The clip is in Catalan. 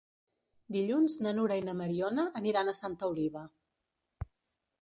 Dilluns na Nura i na Mariona aniran a Santa Oliva.